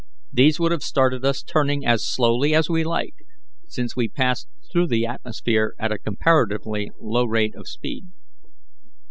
These would have started us turning as slowly as we like, since we passed through the atmosphere at a comparatively low rate of speed."